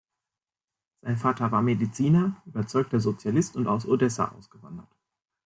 Sein Vater war Mediziner, überzeugter Sozialist und aus Odessa ausgewandert.